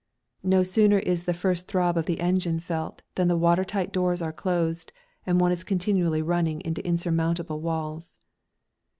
No sooner is the first throb of the engine felt than the water tight doors are closed, and one is continually running into insurmountable walls.